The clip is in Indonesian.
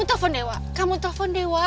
enggak kamu telepon dewa